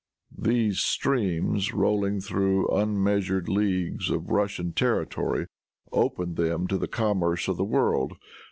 These streams, rolling through unmeasured leagues of Russian territory, open them to the commerce of the world.